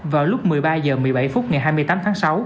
vào lúc một mươi ba h một mươi bảy phút ngày hai mươi tám tháng sáu